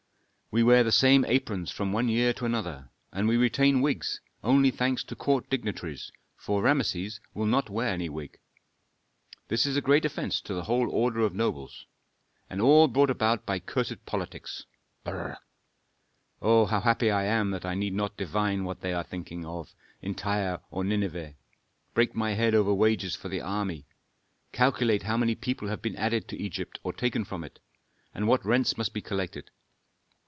We wear the same aprons from one year to another, and we retain wigs, only thanks to court dignitaries, for Rameses will not wear any wig. This is a great offence to the whole order of nobles. And all brought about by cursed politics, brr! Oh, how happy I am that I need not divine what they are thinking of in Tyre or Nineveh; break my head over wages for the army; calculate how many people have been added to Egypt or taken from it, and what rents must be collected.